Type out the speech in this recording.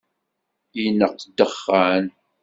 Ineqq dexxan.